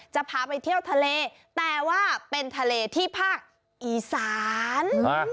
จะพาไปเที่ยวทะเลแต่ว่าเป็นทะเลที่ภาคอีสาน